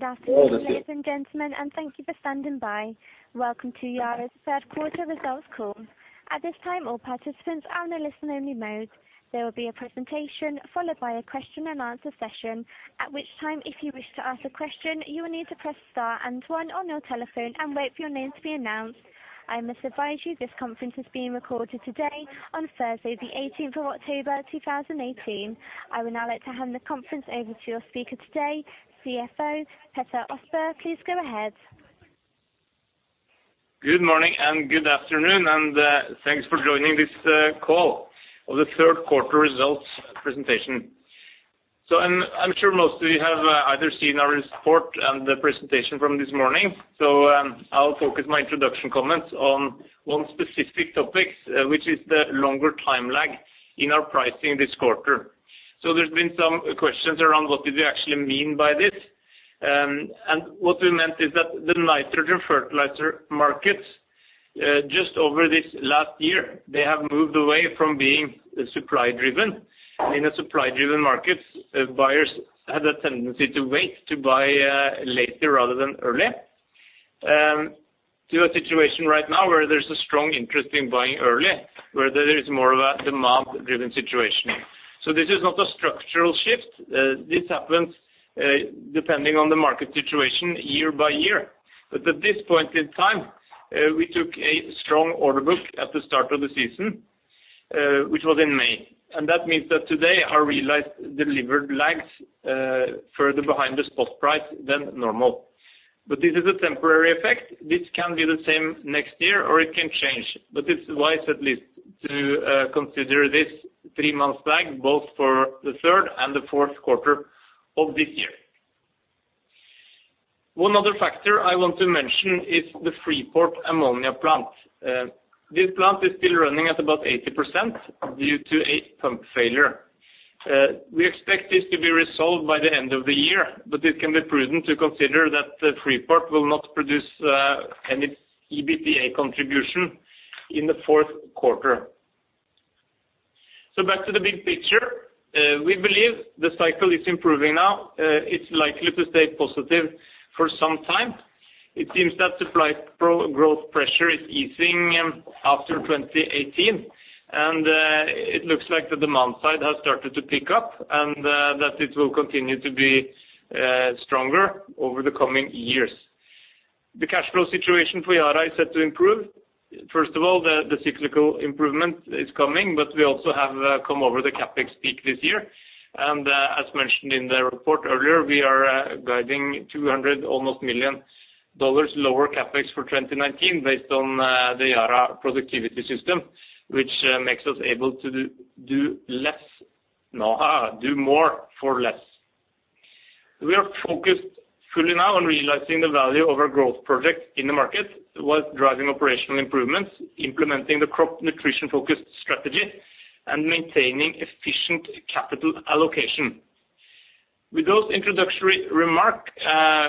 Good afternoon, ladies and gentlemen. Thank you for standing by. Welcome to Yara's third quarter results call. At this time, all participants are in a listen-only mode. There will be a presentation followed by a question and answer session, at which time if you wish to ask a question, you will need to press star and one on your telephone and wait for your name to be announced. I must advise you this conference is being recorded today on Thursday, the 18th of October, 2018. I would now like to hand the conference over to your speaker today, CFO Petter Østbø. Please go ahead. Good morning and good afternoon. Thanks for joining this call of the third quarter results presentation. I'm sure most of you have either seen our report and the presentation from this morning. I'll focus my introduction comments on one specific topic, which is the longer time lag in our pricing this quarter. There's been some questions around what did we actually mean by this. What we meant is that the nitrogen fertilizer markets, just over this last year, they have moved away from being supply-driven. In a supply-driven market, buyers had a tendency to wait to buy later rather than early, to a situation right now where there's a strong interest in buying early, where there is more of a demand-driven situation. This is not a structural shift. This happens depending on the market situation year by year. At this point in time, we took a strong order book at the start of the season, which was in May. That means that today our realized delivered lags further behind the spot price than normal. This is a temporary effect. This can be the same next year, or it can change. It's wise at least to consider this three months lag, both for the third and the fourth quarter of this year. One other factor I want to mention is the Freeport Ammonia plant. This plant is still running at about 80% due to a pump failure. We expect this to be resolved by the end of the year, but it can be prudent to consider that Freeport will not produce any EBITDA contribution in the fourth quarter. Back to the big picture. We believe the cycle is improving now. It's likely to stay positive for some time. It seems that supply growth pressure is easing after 2018. It looks like the demand side has started to pick up and that it will continue to be stronger over the coming years. The cash flow situation for Yara is set to improve. First of all, the cyclical improvement is coming, but we also have come over the CapEx peak this year. As mentioned in the report earlier, we are guiding $200 million, almost, lower CapEx for 2019 based on the Yara Productivity System, which makes us able to do more for less. We are focused fully now on realizing the value of our growth project in the market while driving operational improvements, implementing the crop nutrition-focused strategy, and maintaining efficient capital allocation. With those introductory remarks,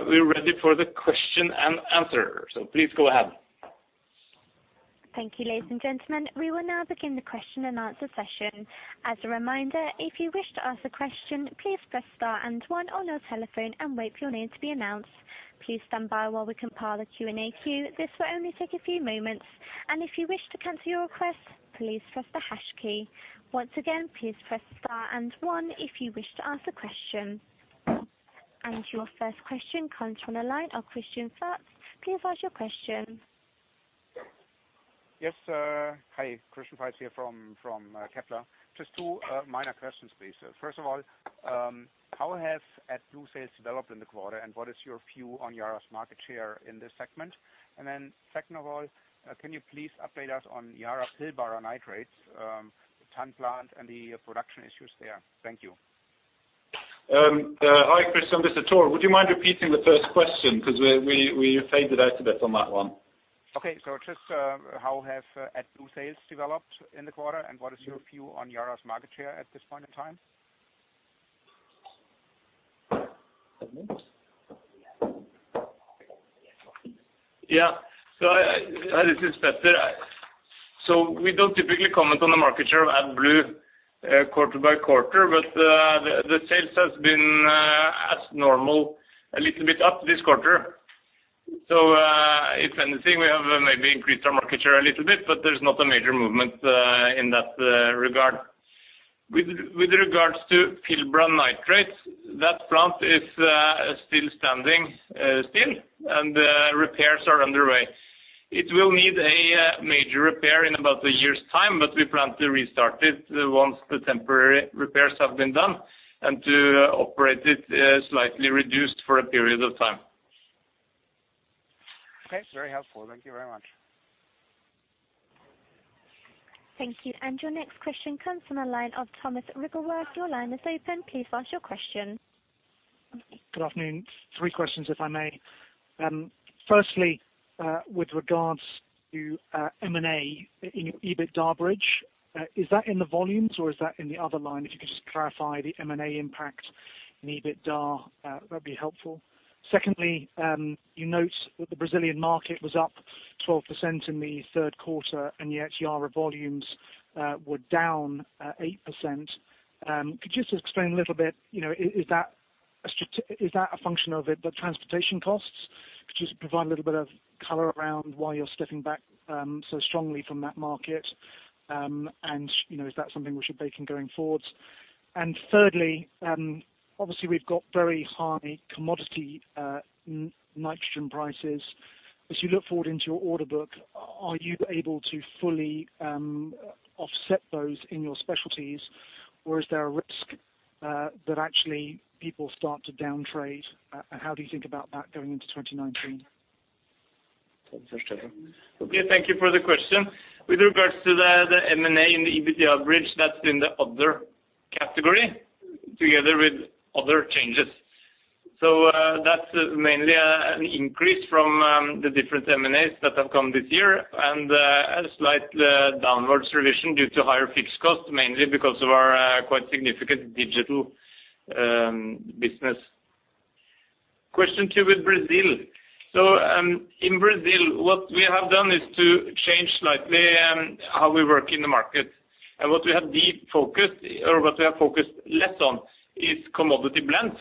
we are ready for the question and answer. Please go ahead. Thank you, ladies and gentlemen. We will now begin the question and answer session. As a reminder, if you wish to ask a question, please press star and one on your telephone and wait for your name to be announced. Please stand by while we compile the Q&A queue. This will only take a few moments. If you wish to cancel your request, please press the hash key. Once again, please press star and one if you wish to ask a question. Your first question comes from the line of Christian Faitz. Please ask your question. Yes. Hi, Christian Faitz here from Kepler. Just two minor questions, please. First of all, how have AdBlue sales developed in the quarter, and what is your view on Yara's market share in this segment? Second of all, can you please update us on Yara Pilbara Nitrates, the Titan plant and the production issues there? Thank you. Hi, Christian. This is Thor. Would you mind repeating the first question? We faded out a bit on that one. Okay. Just how have AdBlue sales developed in the quarter, and what is your view on Yara's market share at this point in time? This is Petter. We don't typically comment on the market share of AdBlue quarter by quarter, but the sales has been as normal, a little bit up this quarter. If anything, we have maybe increased our market share a little bit, but there's not a major movement in that regard. With regards to Pilbara Nitrates, that plant is still standing still, and repairs are underway. It will need a major repair in about a year's time, but we plan to restart it once the temporary repairs have been done and to operate it slightly reduced for a period of time. Okay. Very helpful. Thank you very much. Thank you. Your next question comes from the line of Tristan Lamotte. Your line is open. Please ask your question. Good afternoon. Three questions, if I may. Firstly, with regards to M&A in your EBITDA bridge, is that in the volumes or is that in the other line? If you could just clarify the M&A impact in EBITDA, that'd be helpful. Secondly, you note that the Brazilian market was up 12% in the third quarter, and yet Yara volumes were down 8%. Could you just explain a little bit, is that a function of the transportation costs? Could you provide a little bit of color around why you're stepping back so strongly from that market? Is that something we should bake in going forwards? Thirdly, obviously we've got very high commodity nitrogen prices. As you look forward into your order book, are you able to fully offset those in your specialties, or is there a risk that actually people start to downtrade? How do you think about that going into 2019? Okay, thank you for the question. With regards to the M&A in the EBITDA bridge, that's in the other category together with other changes. That's mainly an increase from the different M&As that have come this year and a slight downward revision due to higher fixed costs, mainly because of our quite significant digital business. Question 2 with Brazil. In Brazil, what we have done is to change slightly how we work in the market. What we have focused less on is commodity blends,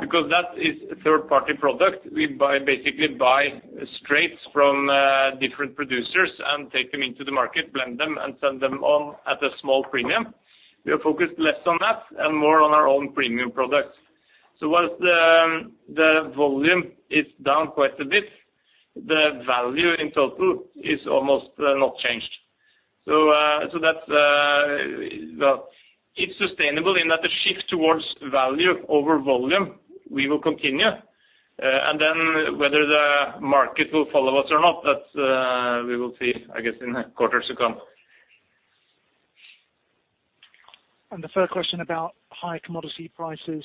because that is a third-party product. We basically buy straights from different producers and take them into the market, blend them, and send them on at a small premium. We are focused less on that and more on our own premium products. Whilst the volume is down quite a bit, the value in total is almost not changed. It's sustainable in that the shift towards value over volume, we will continue. Whether the market will follow us or not, that we will see, I guess, in the quarters to come. The third question about high commodity prices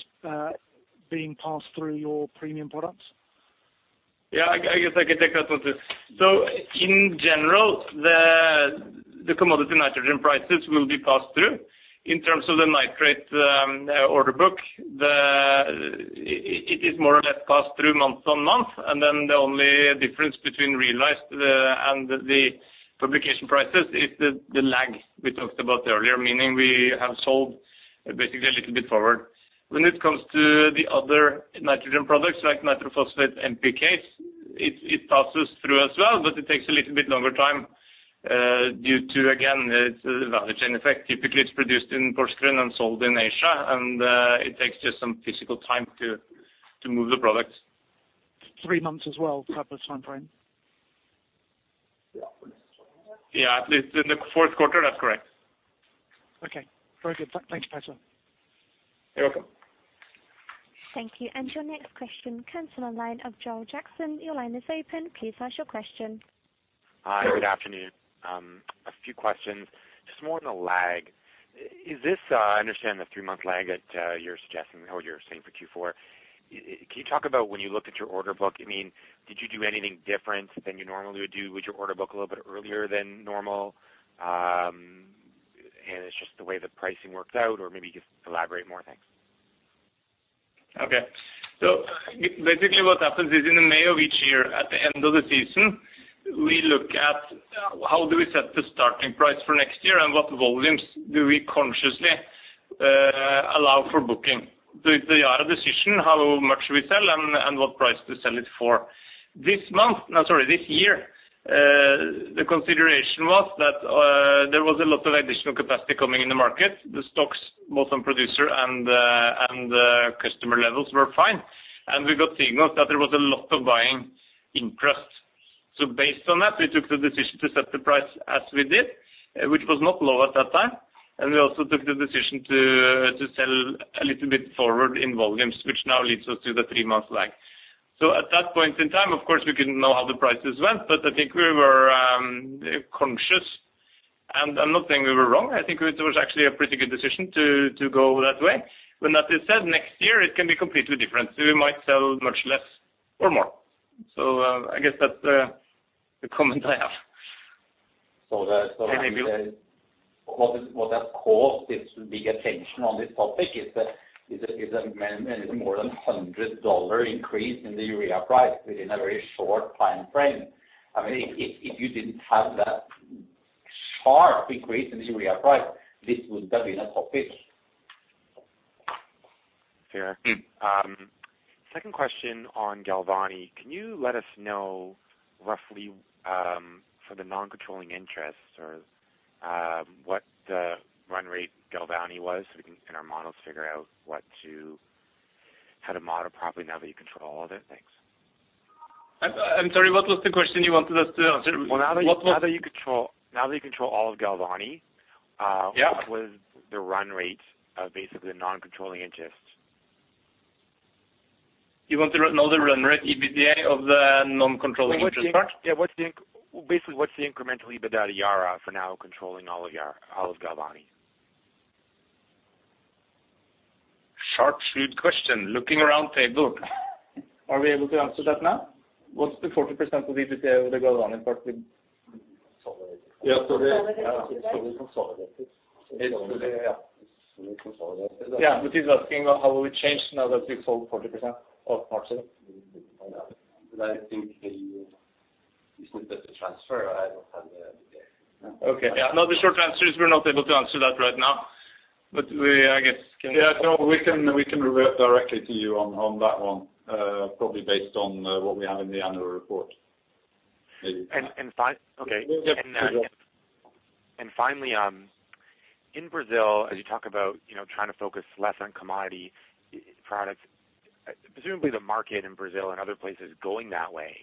being passed through your premium products? I guess I could take that one too. In general, the commodity nitrogen prices will be passed through. In terms of the nitrate order book, it is more or less passed through month on month. The only difference between realized and the publication prices is the lag we talked about earlier, meaning we have sold basically a little bit forward. When it comes to the other nitrogen products like nitrophosphate, NPKs, it passes through as well. It takes a little bit longer time due to, again, its value chain effect. Typically, it's produced in Porsgrunn and sold in Asia. It takes just some physical time to move the products. Three months as well type of timeframe? Yeah, at least in the fourth quarter, that's correct. Okay. Very good. Thanks, Per. You're welcome. Thank you. Your next question comes on the line of Joel Jackson. Your line is open. Please ask your question. Hi, good afternoon. A few questions. Just more on the lag. I understand the three-month lag that you're suggesting or you're saying for Q4. Can you talk about when you looked at your order book, did you do anything different than you normally would do? Was your order book a little bit earlier than normal and it's just the way the pricing worked out, or maybe just elaborate more? Thanks. Okay. Basically what happens is in the May of each year, at the end of the season, we look at how do we set the starting price for next year and what volumes do we consciously allow for booking. It's a Yara decision how much we sell and what price to sell it for. This year, the consideration was that there was a lot of additional capacity coming in the market. The stocks, both on producer and the customer levels were fine. We got signals that there was a lot of buying interest. Based on that, we took the decision to set the price as we did, which was not low at that time. We also took the decision to sell a little bit forward in volumes, which now leads us to the three-month lag. At that point in time, of course, we couldn't know how the prices went, but I think we were conscious. I'm not saying we were wrong. I think it was actually a pretty good decision to go that way. When that is said, next year, it can be completely different. We might sell much less or more. I guess that's the comment I have. What has caused this big attention on this topic is that there is more than NOK 100 increase in the urea price within a very short timeframe. If you didn't have that sharp increase in the urea price, this wouldn't have been a topic. Fair. Second question on Galvani. Can you let us know roughly, for the non-controlling interest or what the run rate Galvani was, so we can in our models figure out how to model properly now that you control all of it? Thanks. I'm sorry, what was the question you wanted us to answer? Now that you control all of Galvani. Yeah What was the run rate of basically the non-controlling interest? You want to know the run rate EBITDA of the non-controlling interest part? Yeah. Basically, what's the incremental EBITDA at Yara for now controlling all of Galvani? Sharp, shrewd question. Looking around table. Are we able to answer that now? What's the 40% of EBITDA of the Galvani part been? Yeah. Consolidated. Yeah. He's asking how will it change now that we've sold 40% or a part of it. I think the You said that the transfer, I don't have the Okay. No, the short answer is we're not able to answer that right now. We, I guess, can- Yeah, no, we can revert directly to you on that one, probably based on what we have in the annual report. Okay. We'll get to that. Finally, in Brazil, as you talk about trying to focus less on commodity products, presumably the market in Brazil and other places going that way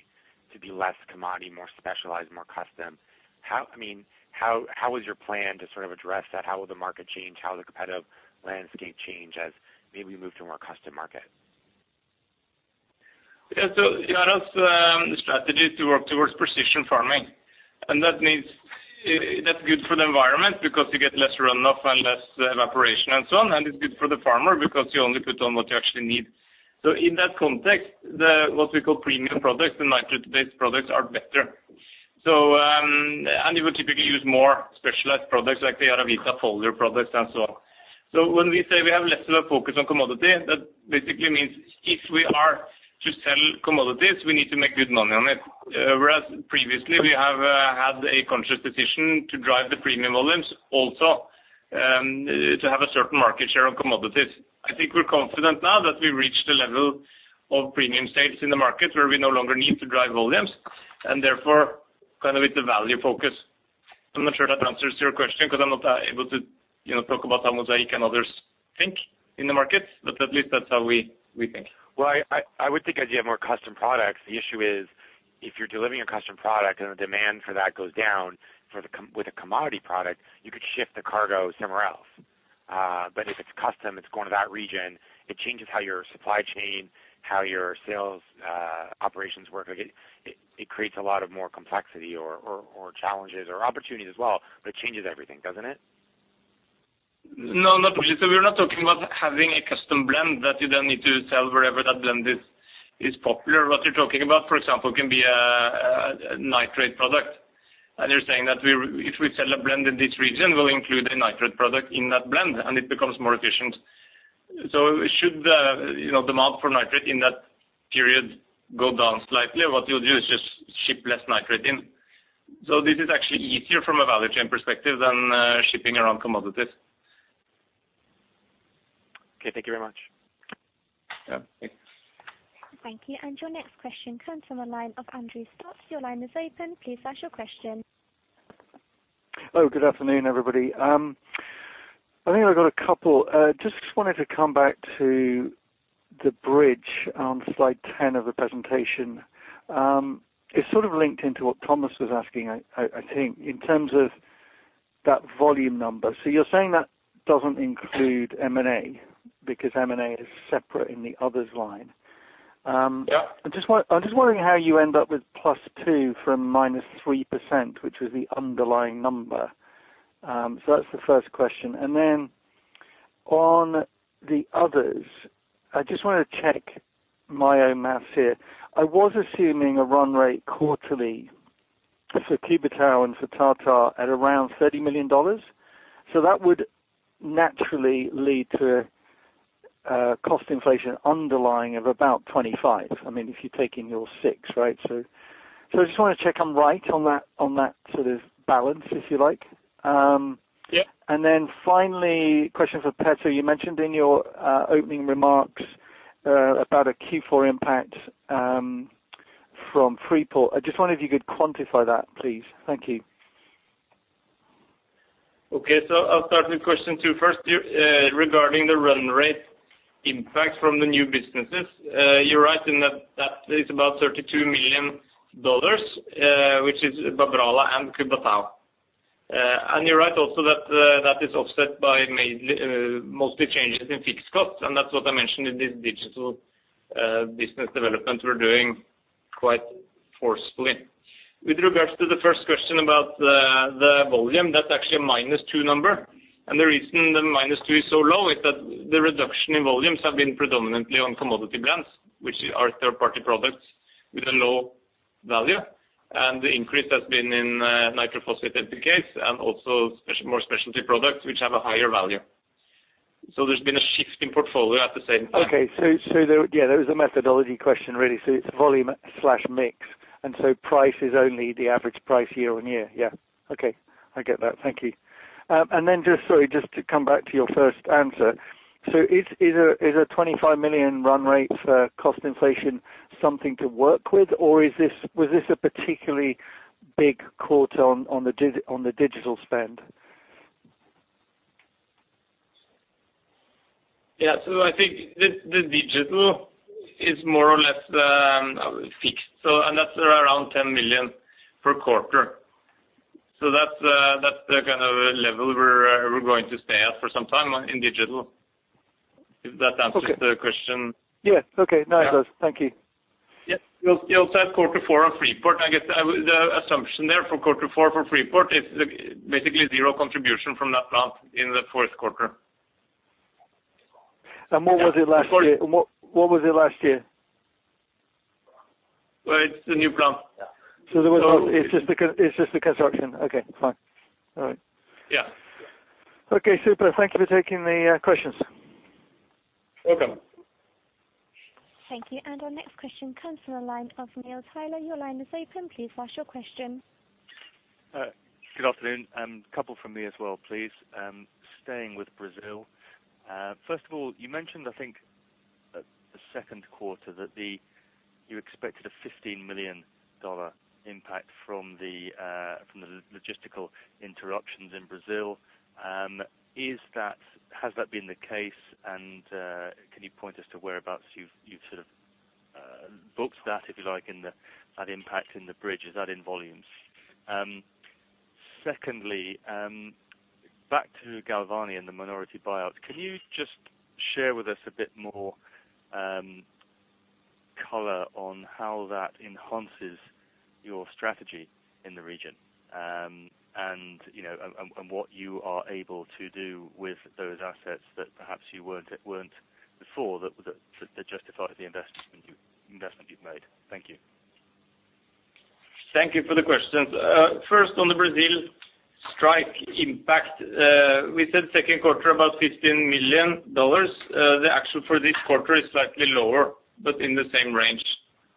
to be less commodity, more specialized, more custom. How is your plan to sort of address that? How will the market change? How will the competitive landscape change as maybe we move to more custom market? Yara's strategy is to work towards precision farming, and that's good for the environment because you get less runoff and less evaporation and so on, and it's good for the farmer because you only put on what you actually need. In that context, the, what we call premium products and nitrate-based products are better. You would typically use more specialized products like the YaraVita foliar products and so on. When we say we have lesser focus on commodity, that basically means if we are to sell commodities, we need to make good money on it. Whereas previously, we have had a conscious decision to drive the premium volumes also to have a certain market share on commodities. I think we're confident now that we reached a level of premium sales in the market where we no longer need to drive volumes, and therefore, kind of with the value focus. I'm not sure if that answers your question because I'm not able to talk about how Mosaic and others think in the market, but at least that's how we think. Well, I would think as you have more custom products, the issue is if you're delivering a custom product and the demand for that goes down with a commodity product, you could ship the cargo somewhere else. If it's custom, it's going to that region, it changes how your supply chain, how your sales operations work. It creates a lot of more complexity or challenges or opportunities as well, it changes everything, doesn't it? No, not really. We're not talking about having a custom blend that you then need to sell wherever that blend is popular. What you're talking about, for example, can be a nitrate product. You're saying that if we sell a blend in this region, we'll include a nitrate product in that blend, and it becomes more efficient. Should the demand for nitrate in that period go down slightly, what you'll do is just ship less nitrate in. This is actually easier from a value chain perspective than shipping around commodities. Okay. Thank you very much. Yeah. Thanks. Thank you. Your next question comes from the line of Andrew Stott. Your line is open. Please ask your question. Hello. Good afternoon, everybody. I think I've got a couple. Just wanted to come back to the bridge on slide 10 of the presentation. It sort of linked into what Thomas was asking, I think, in terms of that volume number. You're saying that doesn't include M&A because M&A is separate in the others line. Yeah. I'm just wondering how you end up with +2 from -3%, which was the underlying number. That's the first question. On the others, I just want to check my own math here. I was assuming a run rate quarterly for Cubatão and for Tata at around NOK 30 million. That would naturally lead to cost inflation underlying of about 25 million. If you take in your six, right? I just want to check I'm right on that sort of balance, if you like. Yeah. Finally, question for Petter, you mentioned in your opening remarks about a Q4 impact from Freeport. I just wonder if you could quantify that, please. Thank you. Okay. I'll start with question two first. Regarding the run rate impact from the new businesses, you're right in that it's about NOK 32 million, which is Babrala and Cubatão. You're right also that is offset by mostly changes in fixed costs, and that's what I mentioned in this digital business development we're doing quite forcefully. With regards to the first question about the volume, that's actually a -2 number. The reason the -2 is so low is that the reduction in volumes have been predominantly on commodity blends, which are third-party products with a low value, and the increase has been in micronutrient phosphates and also more specialty products which have a higher value. There's been a shift in portfolio at the same time. Okay. There, yeah, there was a methodology question, really. It's volume/mix, price is only the average price year-over-year. Yeah. Okay. I get that. Thank you. Just sorry, just to come back to your first answer. Is a 25 million run rate for cost inflation something to work with, or was this a particularly big quarter on the digital spend? I think the digital is more or less fixed. That's around 10 million per quarter. That's the kind of level we're going to stay at for some time in digital, if that answers the question. Yes. Okay. It does. Thank you. Yes. You also have quarter four on Freeport. I guess the assumption there for quarter four for Freeport is basically zero contribution from that plant in the fourth quarter. What was it last year? Well, it's a new plant. It's just the construction. Okay, fine. All right. Yeah. Okay, super. Thank you for taking the questions. Welcome. Thank you. Our next question comes from the line of Neil Tyler. Your line is open. Please flash your question. Good afternoon. Couple from me as well, please. Staying with Brazil. First of all, you mentioned, I think, the second quarter that you expected a NOK 15 million impact from the logistical interruptions in Brazil. Has that been the case and can you point us to whereabouts you've booked that, if you like, in that impact in the bridge? Is that in volumes? Secondly, back to Galvani and the minority buyout. Can you just share with us a bit more color on how that enhances your strategy in the region? What you are able to do with those assets that perhaps you weren't before that justify the investment you've made. Thank you. Thank you for the questions. First, on the Brazil strike impact. We said second quarter about NOK 15 million. The actual for this quarter is slightly lower, but in the same range,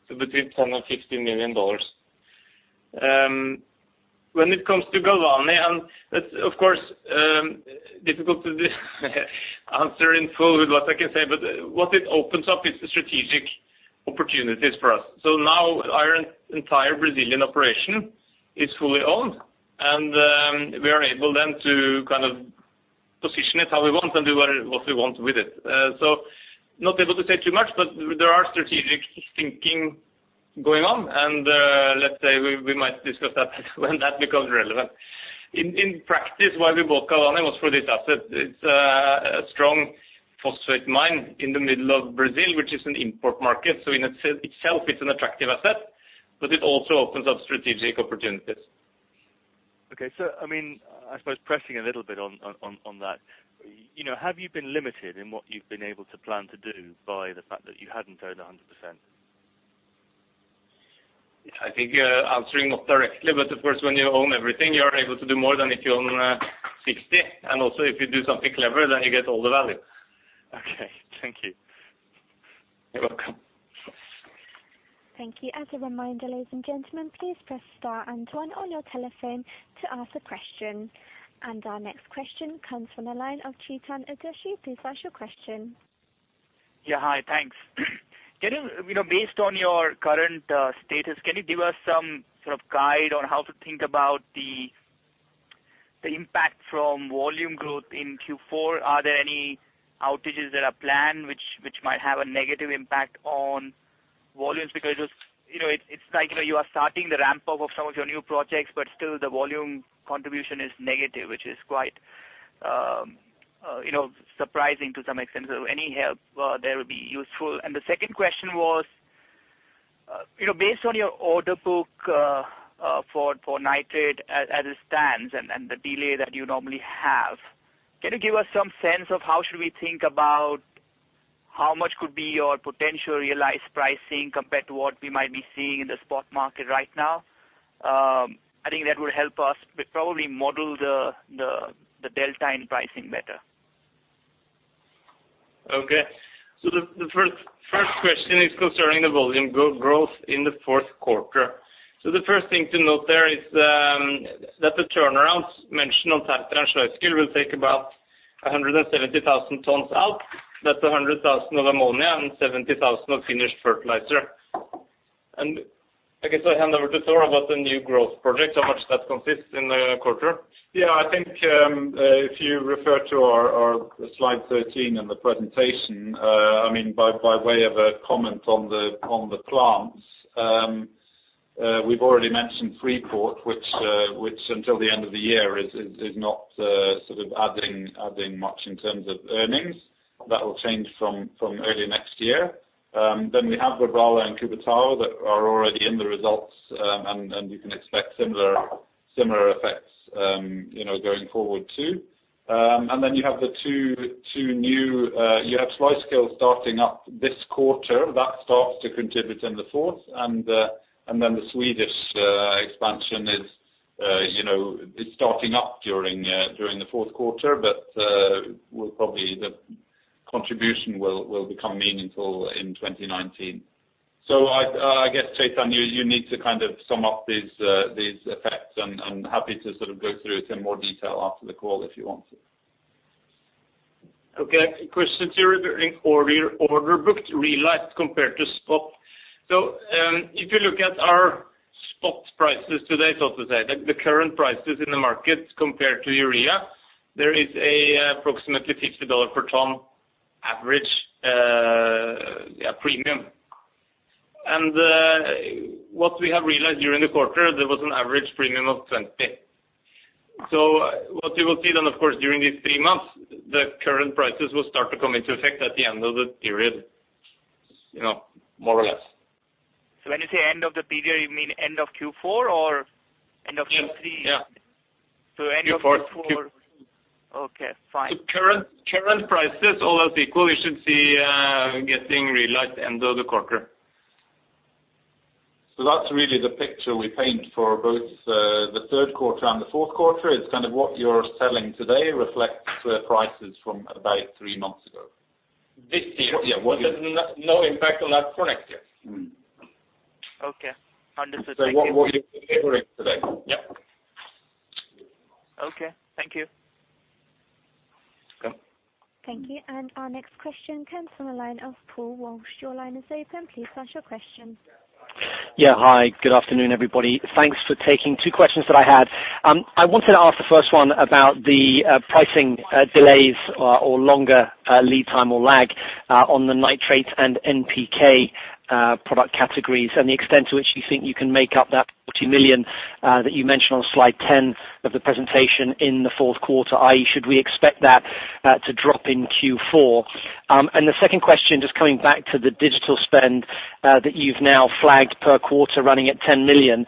between 10 million and NOK 15 million. When it comes to Galvani, and that's of course, difficult to answer in full with what I can say, but what it opens up is strategic opportunities for us. Now our entire Brazilian operation is fully owned and we are able then to position it how we want and do what we want with it. Not able to say too much, but there are strategic thinking going on and let's say we might discuss that when that becomes relevant. In practice, why we bought Galvani was for this asset. It's a strong phosphate mine in the middle of Brazil, which is an import market. In itself it's an attractive asset, but it also opens up strategic opportunities. Okay. I suppose pressing a little bit on that. Have you been limited in what you've been able to plan to do by the fact that you hadn't owned 100%? I think answering not directly, but of course when you own everything you are able to do more than if you own 60. Also if you do something clever, then you get all the value. Okay. Thank you. You're welcome. Thank you. As a reminder ladies and gentlemen, please press star and one on your telephone to ask a question. Our next question comes from the line of Chetan Udeshi. Please flash your question. Yeah. Hi, thanks. Based on your current status, can you give us some sort of guide on how to think about the impact from volume growth in Q4? Are there any outages that are planned which might have a negative impact on volumes? It's like you are starting the ramp up of some of your new projects, but still the volume contribution is negative, which is quite surprising to some extent. Any help there would be useful. The second question was based on your order book for nitrate as it stands and the delay that you normally have, can you give us some sense of how should we think about how much could be your potential realized pricing compared to what we might be seeing in the spot market right now? I think that would help us probably model the delta in pricing better. Okay. The first question is concerning the volume growth in the fourth quarter. The first thing to note there is that the turnarounds mentioned on Titan and Sluiskil will take about 170,000 tons out. That's 100,000 of ammonia and 70,000 of finished fertilizer. I guess I hand over to Thor about the new growth project, how much that consists in the quarter. Yeah, I think if you refer to our slide 13 in the presentation, by way of a comment on the plants. We've already mentioned Freeport, which until the end of the year is not adding much in terms of earnings. That will change from early next year. We have Verdal and Cubatão that are already in the results, and you can expect similar effects going forward too. Then you have the two new Sluiskil starting up this quarter, that starts to contribute in the fourth. Then the Swedish expansion is starting up during the fourth quarter, but probably the contribution will become meaningful in 2019. I guess, Chetan, you need to kind of sum up these effects and happy to go through it in more detail after the call if you want to. Okay. Question two regarding order book realized compared to spot. If you look at our spot prices today, so to say, the current prices in the market compared to urea, there is approximately NOK 50 per ton average premium. What we have realized during the quarter there was an average premium of 20. What you will see then, of course, during these three months, the current prices will start to come into effect at the end of the period, more or less. When you say end of the period, you mean end of Q4 or end of Q3? Yeah. End of Q4. Q4. Okay, fine. Current prices all else equal, you should see getting realized end of the quarter. That's really the picture we paint for both the third quarter and the fourth quarter, is what you're selling today reflects the prices from about three months ago. This year. Yeah. There's no impact on that for next year. Okay. Understood. Thank you. What you're delivering today. Yep. Okay. Thank you. Okay. Thank you. Our next question comes from the line of Paul Walsh. Your line is open. Please ask your question. Yeah. Hi, good afternoon, everybody. Thanks for taking two questions that I had. I wanted to ask the first one about the pricing delays or longer lead time or lag on the nitrate and NPK product categories, and the extent to which you think you can make up that 40 million that you mentioned on slide 10 of the presentation in the fourth quarter, i.e., should we expect that to drop in Q4? The second question, just coming back to the digital spend that you've now flagged per quarter running at 10 million.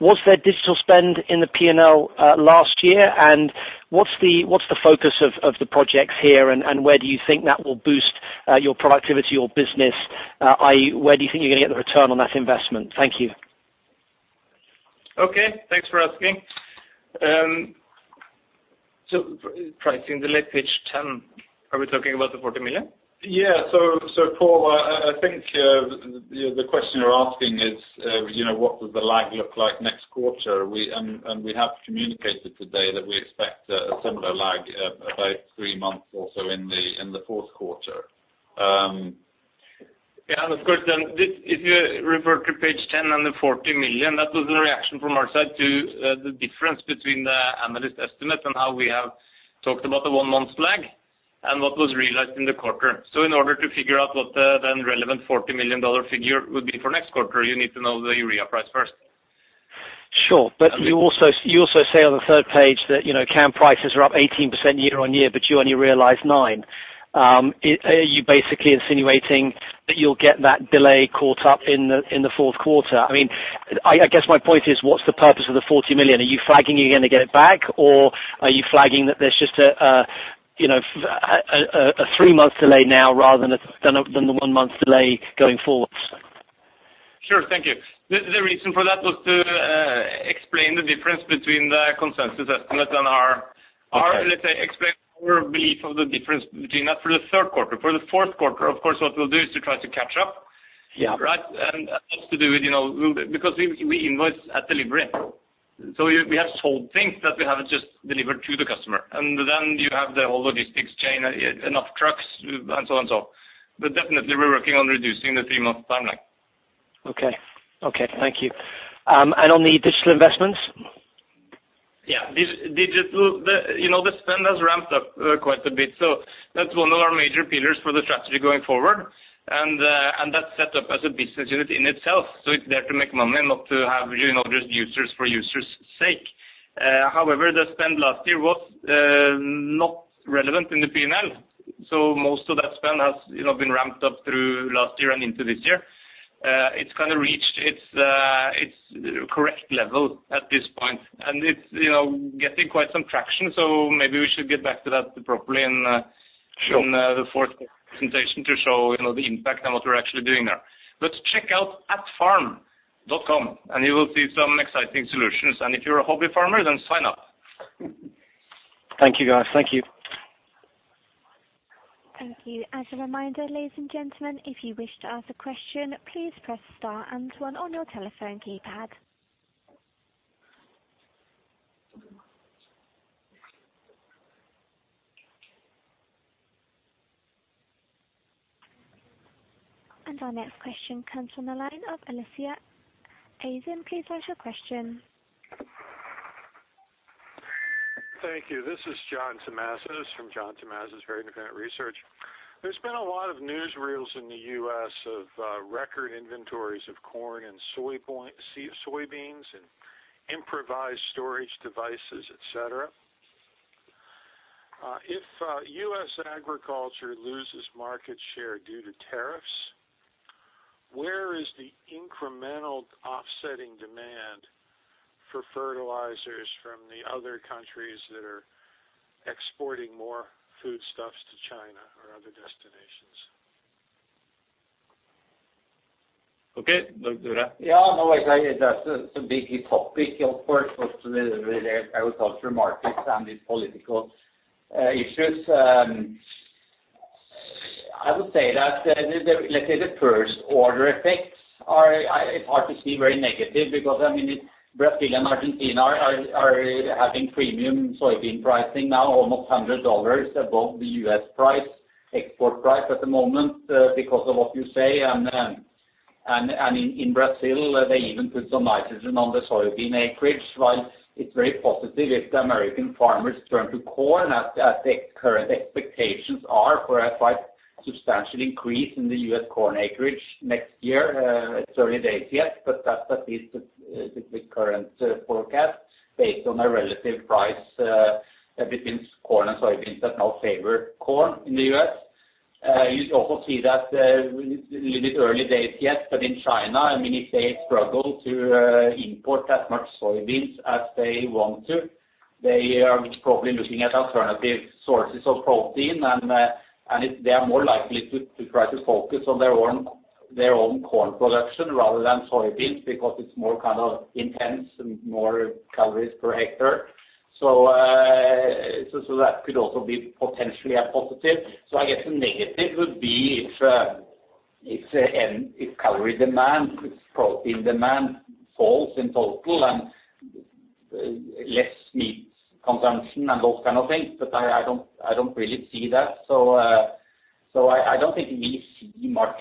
Was there digital spend in the P&L last year, and what's the focus of the projects here, and where do you think that will boost your productivity or business, i.e., where do you think you're going to get the return on that investment? Thank you. Okay. Thanks for asking. Pricing delay, page 10. Are we talking about the 40 million? Yeah. Paul, I think the question you're asking is, what does the lag look like next quarter? We have communicated today that we expect a similar lag about three months or so in the fourth quarter. Yeah. Of course, if you refer to page 10 and the 40 million, that was a reaction from our side to the difference between the analyst estimate and how we have talked about the one month lag, and what was realized in the quarter. In order to figure out what the relevant NOK 40 million figure would be for next quarter, you need to know the urea price first. Sure. You also say on the third page that, CAN prices are up 18% year-on-year, but you only realized nine. Are you basically insinuating that you'll get that delay caught up in the fourth quarter? I guess my point is, what's the purpose of the 40 million? Are you flagging you're going to get it back, or are you flagging that there's just a three months delay now rather than the one month delay going forward? Sure. Thank you. The reason for that was to explain the difference between the consensus estimate. Okay let's say explain our belief of the difference between that for the third quarter. For the fourth quarter, of course, what we will do is to try to catch up. Yeah. Right? That is to do with, because we invoice at delivery. We have sold things that we have not just delivered to the customer. You have the whole logistics chain, enough trucks and so on and so on. Definitely, we are working on reducing the three-month timeline. Okay. Thank you. On the digital investments? Yeah. Digital, the spend has ramped up quite a bit. That's one of our major pillars for the strategy going forward, and that's set up as a business unit in itself. It's there to make money, not to have just users for users' sake. However, the spend last year was not relevant in the P&L. Most of that spend has been ramped up through last year and into this year. It's kind of reached its correct level at this point, and it's getting quite some traction. Maybe we should get back to that properly in- Sure the fourth quarter presentation to show the impact and what we're actually doing there. Check out Atfarm and you will see some exciting solutions. If you're a hobby farmer, sign up. Thank you, guys. Thank you. Thank you. As a reminder, ladies and gentlemen, if you wish to ask a question, please press star and one on your telephone keypad. Our next question comes from the line of Alicia Azen. Please ask your question. Thank you. This is John Tomasic from John Tomasic Very Independent Research. There's been a lot of newsreels in the U.S. of record inventories of corn and soybeans, and improvised storage devices, et cetera. If U.S. agriculture loses market share due to tariffs, where is the incremental offsetting demand for fertilizers from the other countries that are exporting more foodstuffs to China or other destinations? Okay. To Øyvind. Yeah. That's a big topic, of course, with the agriculture markets and these political issues. I would say that, let's say the first order effects are hard to see very negative because, Brazil and Argentina are having premium soybean pricing now, almost $100 above the U.S. export price at the moment because of what you say. In Brazil, they even put some nitrogen on the soybean acreage, while it's very positive if the American farmers turn to corn, as the current expectations are for a quite substantial increase in the U.S. corn acreage next year. It's early days yet, that's at least the current forecast based on a relative price between corn and soybeans that now favor corn in the U.S. You also see that, a little bit early days yet, in China, if they struggle to import as much soybeans as they want to, they are probably looking at alternative sources of protein and They are more likely to try to focus on their own corn production rather than soybeans, because it's more intense and more calories per hectare. That could also be potentially a positive. I guess the negative would be if calorie demand, if protein demand falls in total and less meat consumption and those kind of things. I don't really see that. I don't think we see much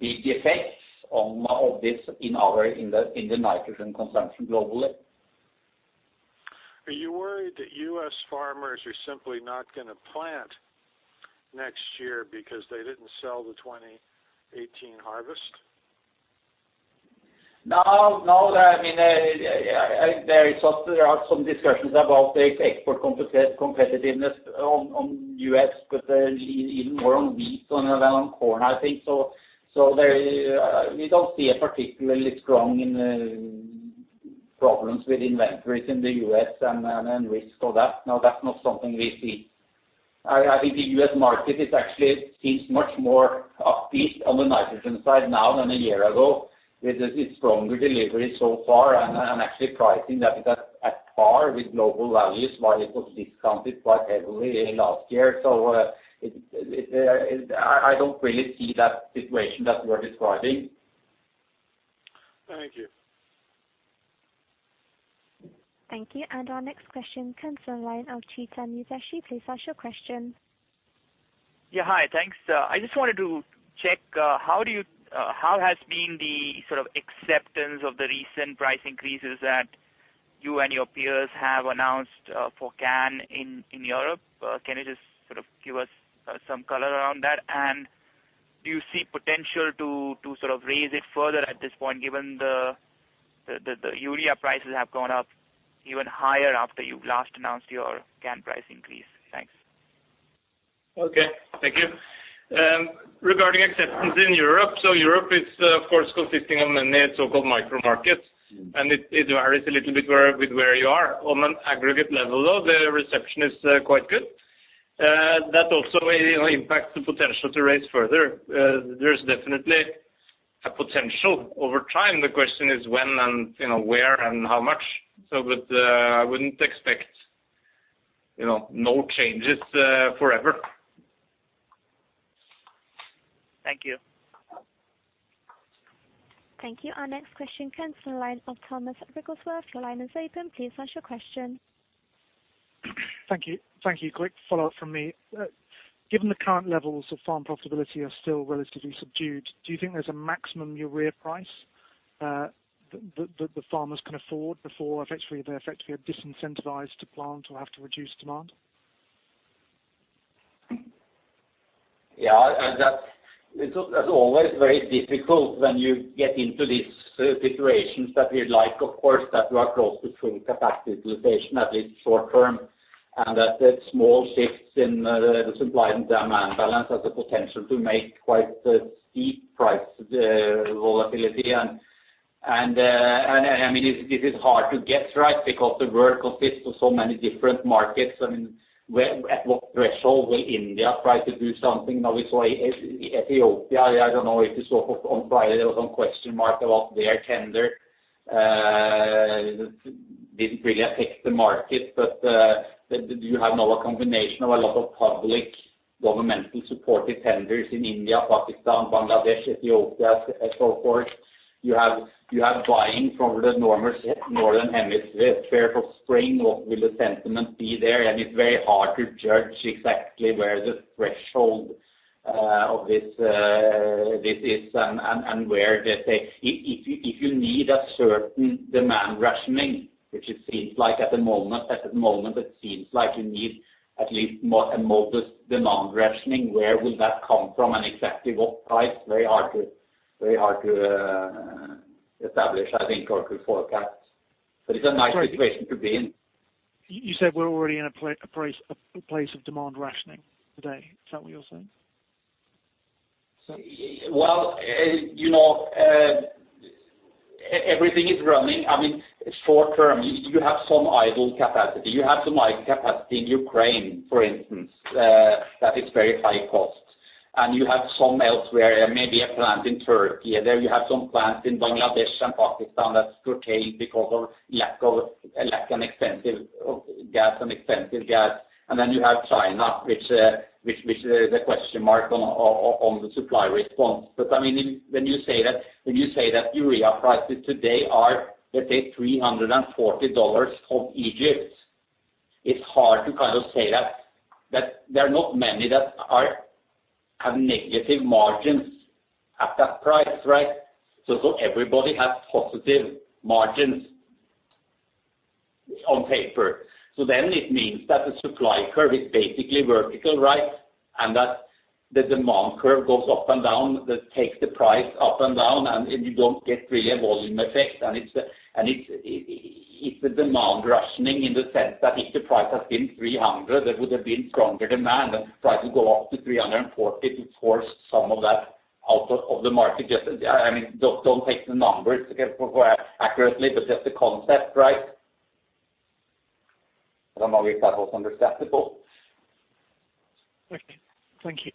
the effects of this in the nitrogen consumption globally. Are you worried that U.S. farmers are simply not going to plant next year because they didn't sell the 2018 harvest? No. There are some discussions about the export competitiveness on U.S., but even more on wheat than on corn, I think. We don't see a particularly strong problems with inventories in the U.S. and risk of that. No, that's not something we see. I think the U.S. market actually seems much more upbeat on the nitrogen side now than a year ago, with its stronger delivery so far and actually pricing that is at par with global values, while it was discounted quite heavily last year. I don't really see that situation that you are describing. Thank you. Thank you. Our next question comes from the line of Chetan Udeshi. Please ask your question. Yeah. Hi. Thanks. I just wanted to check, how has been the sort of acceptance of the recent price increases that you and your peers have announced for CAN in Europe? Can you just sort of give us some color around that? Do you see potential to sort of raise it further at this point, given the urea prices have gone up even higher after you've last announced your CAN price increase? Thanks. Okay. Thank you. Regarding acceptance in Europe is, of course, consisting of many so-called micro markets, it varies a little bit with where you are. On an aggregate level, though, the reception is quite good. That also impacts the potential to raise further. There's definitely a potential over time. The question is when and where and how much. I wouldn't expect no changes forever. Thank you. Thank you. Our next question comes from the line of Thomas Rigelwick. Your line is open. Please ask your question. Thank you. Quick follow-up from me. Given the current levels of farm profitability are still relatively subdued, do you think there's a maximum urea price that the farmers can afford before they're effectively disincentivized to plant or have to reduce demand? Yeah. That's always very difficult when you get into these situations that we'd like, of course, that we are close to full capacity utilization, at least short term, and that small shifts in the supply and demand balance has the potential to make quite a steep price volatility. It is hard to get right because the world consists of so many different markets. At what threshold will India try to do something? Now we saw Ethiopia, I don't know if you saw on Friday, there was some question mark about their tender. Didn't really affect the market, you have now a combination of a lot of public governmental supported tenders in India, Pakistan, Bangladesh, Ethiopia and so forth. You have buying from the northern hemisphere. Prepare for spring, what will the sentiment be there? It's very hard to judge exactly where the threshold of this is and where they say If you need a certain demand rationing, which it seems like at the moment, it seems like you need at least a modest demand rationing. Where will that come from and exactly what price? Very hard to establish, I think, or to forecast. It's a nice situation to be in. You said we're already in a place of demand rationing today. Is that what you're saying? Everything is running. Short term, you have some idle capacity. You have some idle capacity in Ukraine, for instance, that is very high cost. You have some elsewhere, maybe a plant in Turkey. You have some plants in Bangladesh and Pakistan that's curtailed because of lack and expensive gas. You have China, which there is a question mark on the supply response. When you say that urea prices today are, let's say $340 from Egypt, it's hard to kind of say that there are not many that have negative margins at that price, right? Everybody has positive margins on paper. It means that the supply curve is basically vertical, right? That the demand curve goes up and down, that takes the price up and down, and you don't get really a volume effect. It's a demand rationing in the sense that if the price had been $300, there would have been stronger demand and price would go up to $340 to force some of that out of the market. Don't take the numbers accurately, but just the concept, right? I don't know if that was understandable. Okay. Thank you.